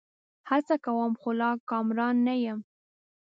هڅه کوم؛ خو لا کامران نه یمه